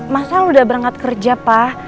mas al udah berangkat kerja pa